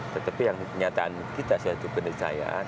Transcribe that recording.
tetapi yang kenyataan kita suatu kenisayaan